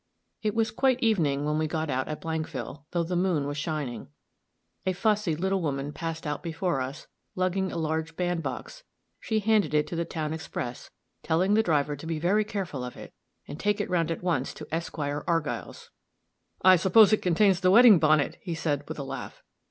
It was quite evening when we got out at Blankville, though the moon was shining. A fussy little woman passed out before us, lugging a large band box; she handed it to the town express, telling the driver to be very careful of it, and take it round at once to Esquire Argyll's. "I suppose it contains the wedding bonnet," he said, with a laugh.